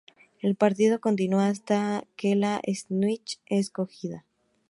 El partido continúa hasta que la snitch es cogida.